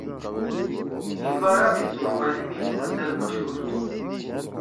ہین بارا می توروالی می متل مشہور تھو۔